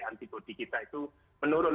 antibody kita itu menurun